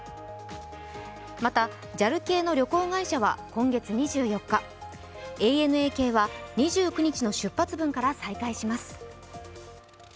また、ＪＡＬ系の旅行会社は今月２４日、ＡＮＡ系は２９日の出発分から再開します。